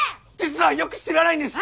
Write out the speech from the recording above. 実はよく知らないんです！